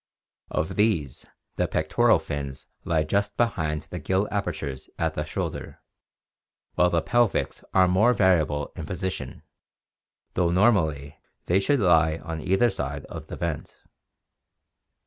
Of these the pectoral fins 318 ORGANIC EVOLUTION lie just behind the gill apertures at the shoulder, while the pelvics are more variable in position, though normally they should lie on either side of the vent.